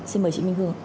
xin mời chị minh hương